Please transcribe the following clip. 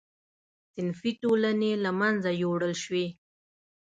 صنفي ټولنې له منځه یووړل شوې.